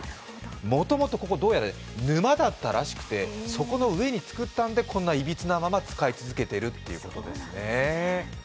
もともとここ、どうやら沼だったらしくて、その上に作ったのでこんないびつなまま、使い続けているということなんです。